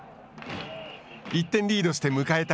１点リードして迎えた